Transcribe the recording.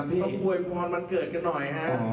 ต้องปล่อยพรมันเกิดกันหน่อยนะ